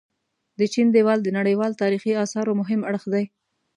د چين ديوال د نړيوال تاريخي اثارو مهم اړخ دي.